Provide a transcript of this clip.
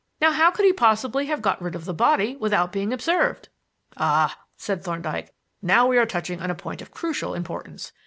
Now how could he possibly have got rid of the body without being observed?" "Ah!" said Thorndyke, "now we are touching on a point of crucial importance.